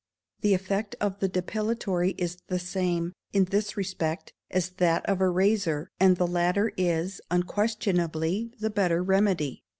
The effect of the depilatory is the same, in this respect, as that of a razor, and the latter is, unquestionably, the better remedy.